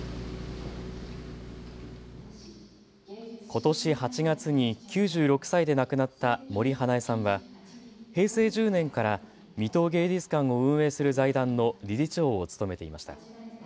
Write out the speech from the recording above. ことし８月に９６歳で亡くなった森英恵さんは平成１０年から水戸芸術館を運営する財団の理事長を務めていました。